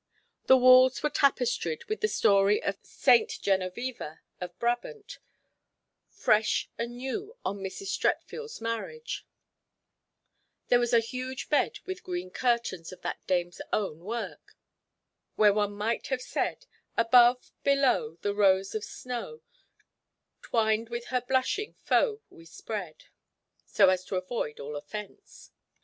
The walls were tapestried with the story of St. Genoveva of Brabant, fresh and new on Mrs. Streatfield's marriage; there was a huge bed with green curtains of that dame's own work, where one might have said "Above, below, the rose of snow, Twined with her blushing foe we spread." so as to avoid all offence.